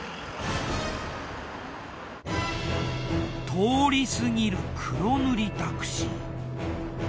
通り過ぎる黒塗りタクシー。